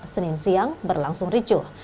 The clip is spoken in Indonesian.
senin siang berlangsung ricuh